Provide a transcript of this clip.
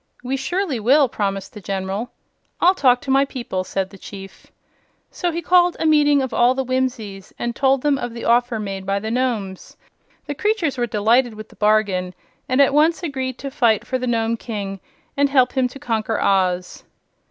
"We surely will," promised the General. "I'll talk to my people," said the Chief. So he called a meeting of all the Whimsies and told them of the offer made by the Nomes. The creatures were delighted with the bargain, and at once agreed to fight for the Nome King and help him to conquer Oz.